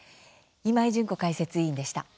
今井純子解説委員でした。